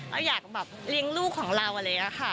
เราอยากแบบเลี้ยงลูกของเราเลยนะคะ